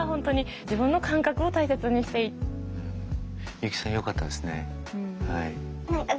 ユキさんよかったですね。